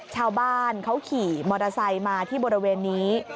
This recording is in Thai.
ชาวบ้านเขาขี่มอเตอร์ไซค์มาที่บริเวณนี้